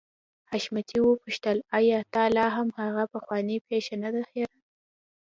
حشمتي وپوښتل آيا تا لا هم هغه پخوانۍ پيښه نه ده هېره.